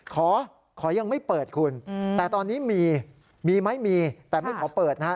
ขอขอยังไม่เปิดคุณแต่ตอนนี้มีมีไหมมีแต่ไม่ขอเปิดนะฮะ